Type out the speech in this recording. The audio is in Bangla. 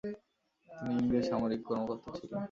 তিনি ইংরেজ সামরিক কর্মকর্তা ছিলেন।